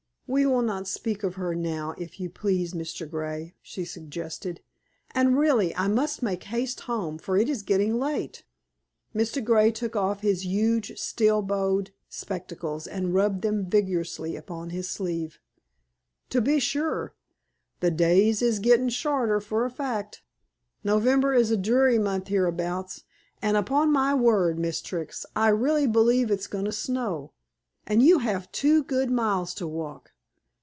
"We will not speak of her now, if you please, Mr. Grey," she suggested. "And, really, I must make haste home, for it is getting late." Mr. Grey took off his huge steel bowed spectacles and rubbed them vigorously upon his sleeve. "To be sure. The days is gettin' shorter, for a fact. November is a dreary month hereabouts; and, upon my word, Miss Trix, I really believe it's goin' to snow. And you have two good miles to walk."